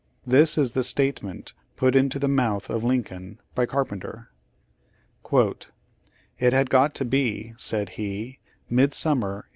This is the statement put into the mouth of Lincoln by Carpenter: "It had got to be," said he, "midsummer, 1862.